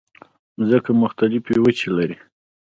مځکه مختلفې وچې لري.